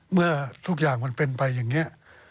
เมื่อทุกอย่างมันเป็นไปอย่างนี้